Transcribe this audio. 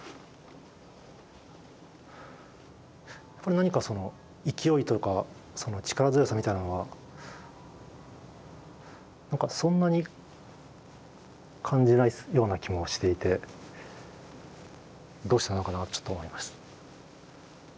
何かその勢いとか力強さみたいなのはそんなに感じないような気もしていてどうしたのかなってちょっと思います。